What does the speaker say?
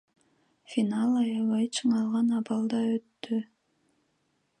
Финал аябай чыңалган абалда өттү.